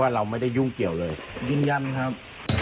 เราไม่ได้ยุ่งเกี่ยวเลยยืนยันครับ